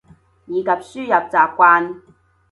以及輸入習慣